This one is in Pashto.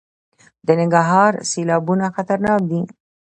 د ننګرهار سیلابونه خطرناک دي؟